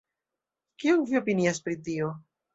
Kion vi opinias pri tio?